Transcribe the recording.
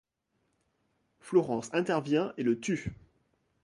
Florence intervient et le tue.